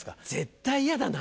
絶対嫌だな。